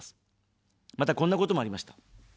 また、こんなこともありました。